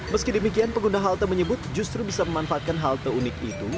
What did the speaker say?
meski demikian pengguna halte menyebut justru bisa memanfaatkan halte unik itu